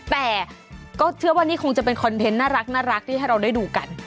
แต่ก็เชื่อว่านี่คงจะเป็นคอนเทนต์น่ารักที่ให้เราได้ดูกัน